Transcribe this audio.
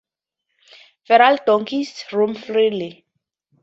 Feral donkeys roam freely.